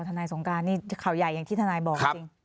ทนายสงการนี่ข่าวใหญ่อย่างที่ทนายบอกจริง